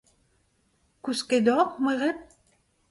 Kousket oc’h, moereb ?